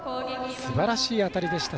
すばらしい当たりでした。